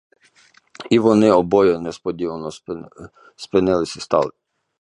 І вони обоє несподівано спинились і стали.